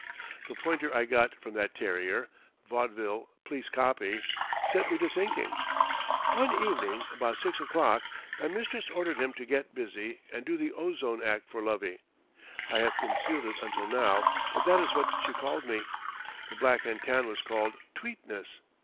The pointer I got from that terrier—vaudeville please copy—set me to thinking. One evening about 6 o'clock my mistress ordered him to get busy and do the ozone act for Lovey. I have concealed it until now, but that is what she called me. The black and tan was called "Tweetness."